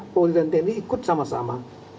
pauli dan teni ikut sama sama